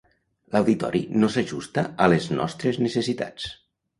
L'auditori no s'ajusta a les nostres necessitats.